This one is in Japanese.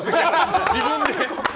自分で。